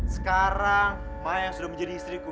sekarang mayang sudah menjadi istriku